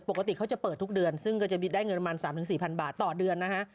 ปกติเขาจะเปิดทุกเดือนซึ่งก็จะได้เงินประมาณ๓๔๐๐บาทต่อเดือนนะฮะ